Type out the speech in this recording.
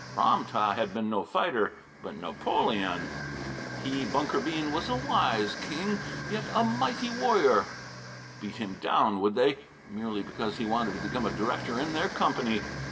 Ram tah had been no fighter but Napoleon! He, Bunker Bean, was a wise king, yet a mighty warrior. Beat him down, would they? Merely because he wanted to become a director in their company!